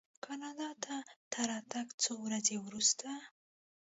کاناډا ته تر راتګ څو ورځې وروسته.